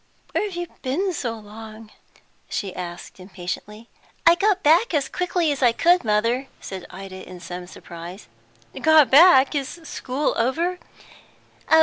"Where have you been so long?" she asked impatiently. "I got back as quickly as I could, mother," said Ida, in some surprise. "Got back? Is school over?"